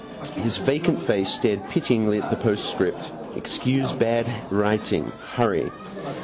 His vacant face stared pityingly at the postscript. Excuse bad writing. Hurry.